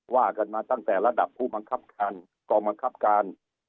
ว่ากันมาตั้งแต่ระดับผู้บังคับการกองบังคับการ